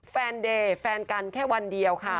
เดย์แฟนกันแค่วันเดียวค่ะ